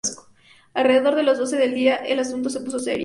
Alrededor de las doce del día el asunto se puso serio.